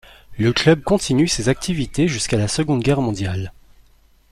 Le club continue ses activités jusqu'à la Seconde Guerre mondiale.